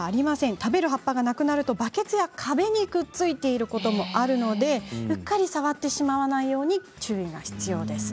食べる葉っぱがなくなるとバケツや壁にくっついていることもあるので、うっかり触ってしまわないように注意が必要です。